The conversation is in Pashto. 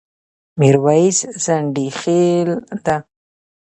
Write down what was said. ميرويس ځنډيخيل ډه